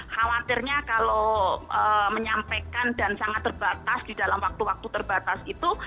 khawatirnya kalau menyampaikan dan sangat terbatas di dalam waktu waktu terbatas itu